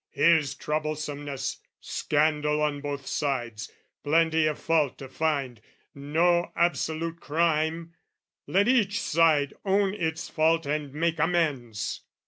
"Here's troublesomeness, scandal on both sides, "Plenty of fault to find, no absolute crime: "Let each side own its fault and make amends!